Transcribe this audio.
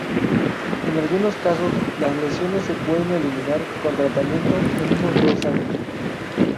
En algunos casos, las lesiones se pueden eliminar, con tratamiento, en unos dos años.